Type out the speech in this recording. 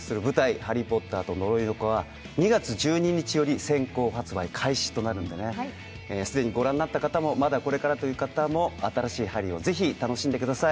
「ハリー・ポッターと呪いの子」は２月１２日より先行発売開始となるので、既にご覧になった方も、まだこれからという方も新しいハリーをぜひ楽しんでください。